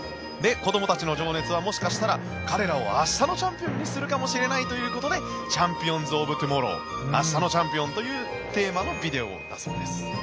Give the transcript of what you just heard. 子どもたちの情熱はもしかしたら彼らを明日のチャンピオンにするかもしれないということでチャンピオンズ・オブ・トゥモロー明日のチャンピオンというテーマのビデオだそうです。